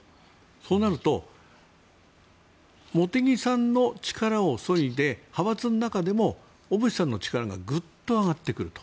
そうなると茂木さんの力をそいで派閥の中でも小渕さんの力がグッと上がってくると。